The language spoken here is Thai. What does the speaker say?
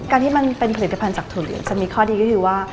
ที่มันเป็นผลิตภัณฑ์จากถั่วเหลืองจะมีข้อดีก็คือว่า